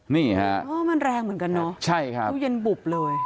นี่ฮะมันแรงเหมือนกันเนอะใช่ครับตู้เย็นบุบเลย